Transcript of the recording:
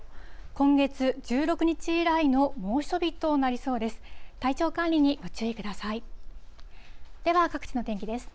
今月１６日以来の猛暑日となりそうです。